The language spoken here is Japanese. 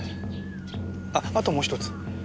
あっあともう一つ。